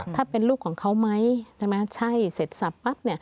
ถ้าเป็นลูกของเขาไหมใช่ไหมใช่เสร็จสับปั๊บ